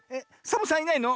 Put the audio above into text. サボさんいないの？